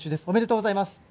おめでとうございます。